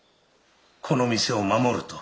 この店を守ると。